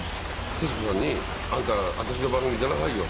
徹子さんに「あんた私の番組出なさいよ」。